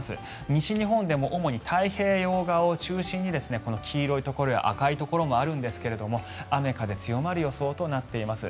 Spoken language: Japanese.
西日本でも主に太平洋側を中心に黄色いところや赤いところもあるんですが雨、風強まる予想となっています。